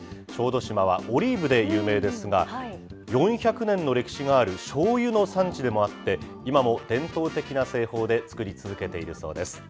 小豆島はオリーブで有名ですが、４００年の歴史のあるしょうゆの産地でもあって、今も伝統的な製法で造り続けているそうです。